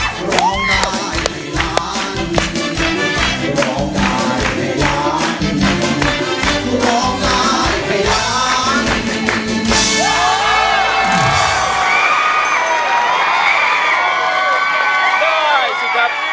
ได้สิครับ